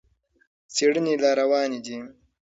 څېړنې لا روانې دي.